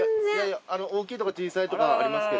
大きいとか小さいとかありますけど。